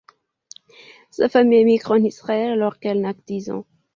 Sa famille émigre en Israël alors qu'elle n'a que dix ans.